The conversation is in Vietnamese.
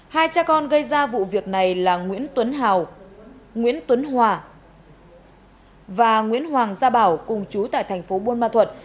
hai cha con gây ra vụ việc này là nguyễn tuấn hòa và nguyễn hoàng gia bảo cùng chú tại tp bôn ma thuật